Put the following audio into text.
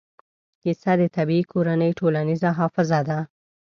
کیسه د طبعي کورنۍ ټولنیزه حافظه ده.